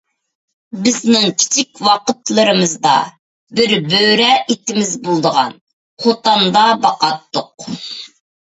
بىزنىڭ كىچىك ۋاقىتلىرىمىزدا بىر بۆرە ئىتىمىز بولىدىغان، قوتاندا باقاتتۇق.